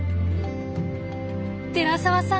寺沢さん